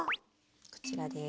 こちらです。